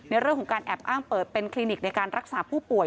ในเรื่องของการแอบอ้างเปิดเป็นคลินิกในการรักษาผู้ป่วย